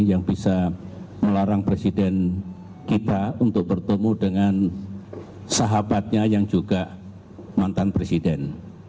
yang bisa melarang presiden kita untuk bertemu dengan sahabatnya yang juga mantan presiden